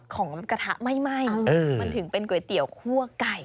ของกระทะไหม้มันถึงเป็นก๋วยเตี๋ยวคั่วไก่